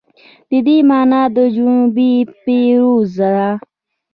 د دې مانا جنوبي بیزو ده.